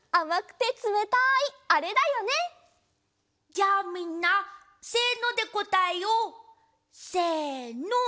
じゃあみんなせのでこたえよう！せの！